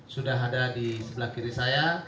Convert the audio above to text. sudah ada di sebelah kiri saya